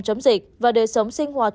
chống dịch và đời sống sinh hoạt